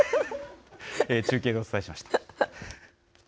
中継でお伝えしました。